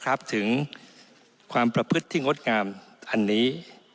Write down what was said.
ถึงความประพฤติที่งดงามอันนี้